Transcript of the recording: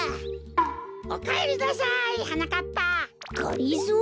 おかえりなさいはなかっぱ。がりぞー！？